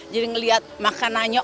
jadi ngeliat makanannya